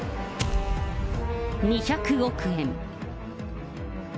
２００億円。